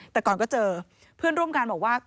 แต่ก่อนก็เจอเพื่อนร่วมงานบอกว่า